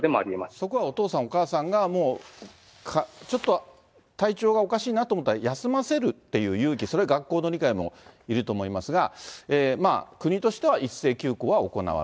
そこはお父さん、お母さんが、もう、ちょっと体調がおかしいなと思ったら休ませるっていう勇気、それには学校の理解もいると思いますが、国としては一斉休校は行